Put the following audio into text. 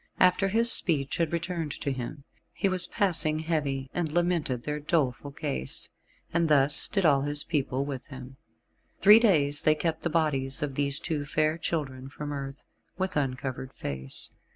After his speech had returned to him, he was passing heavy, and lamented their doleful case, and thus did all his people with him. Three days they kept the bodies of these two fair children from earth, with uncovered face.